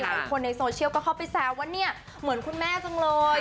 คนในโซเชียลก็เข้าไปแซวว่าเนี่ยเหมือนคุณแม่จังเลย